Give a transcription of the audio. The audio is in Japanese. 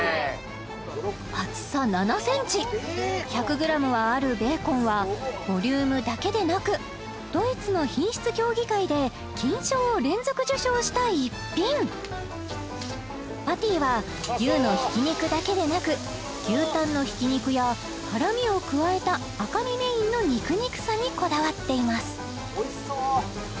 厚さ７ｃｍ１００ｇはあるベーコンはボリュームだけでなくドイツの品質協議会で金賞を連続受賞した逸品パティは牛のひき肉だけでなく牛タンのひき肉やハラミを加えた赤身メインの肉々さにこだわっています